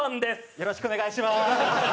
よろしくお願いします！